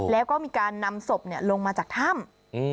แล้วก็มีการนำศพลงมาจากถ้ำ